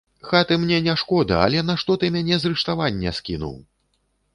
Хаты мне не шкода, але нашто ты мяне з рыштавання скінуў?